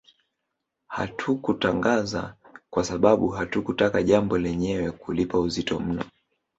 Hatukutangaza kwa sababu hatukutaka jambo lenyewe kulipa uzito mno